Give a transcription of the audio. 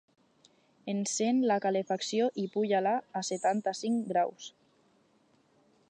Encén la calefacció i puja-la a setanta-cinc graus